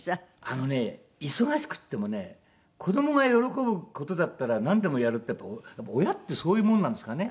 あのね忙しくてもね子どもが喜ぶ事だったらなんでもやるってやっぱ親ってそういうもんなんですかね。